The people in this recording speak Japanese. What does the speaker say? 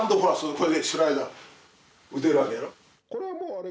これでスライダー打てるわけやろ。